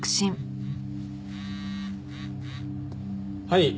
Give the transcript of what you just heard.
はい。